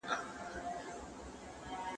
د خاوند له ترکې او ميراث څخه پاته برخه ورکړي.